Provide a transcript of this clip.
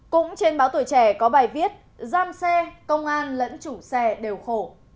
cũng trên báo tuổi trẻ có bài viết giam xe công an lẫn chủ xe đều khổ